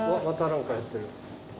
また何かやってる。